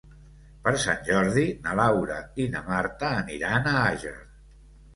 Per Sant Jordi na Laura i na Marta aniran a Àger.